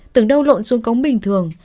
từng đâu lộn xuống cống bình thường